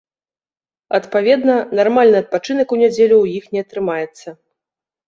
Адпаведна, нармальны адпачынак у нядзелю ў іх не атрымаецца.